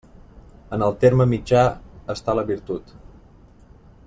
En el terme mitjà està la virtut.